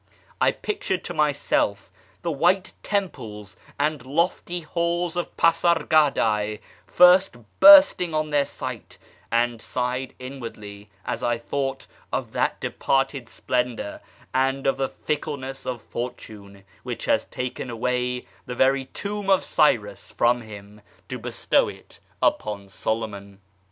I pictured to myself the white temples and lofty halls of Pasargadae first bursting on their sight, and sighed inwardly as I thought of that departed splendour, and of the fickleness of fortune, which has taken away the very tomb of Cyrus from him to bestow it upon Solomon.